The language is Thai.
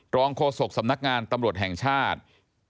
โฆษกสำนักงานตำรวจแห่งชาติ